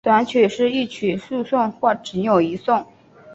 短曲是一曲数颂或仅有一颂。